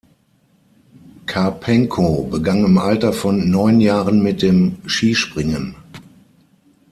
Karpenko begann im Alter von neun Jahren mit dem Skispringen.